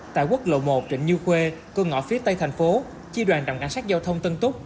tại quốc lộ một trịnh như khuê cơn ngõ phía tây thành phố chi đoàn trạm cảnh sát giao thông tân túc